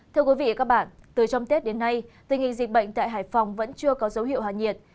thưa quý vị các bạn từ trong tết đến nay tình hình dịch bệnh tại hải phòng vẫn chưa có dấu hiệu hạ nhiệt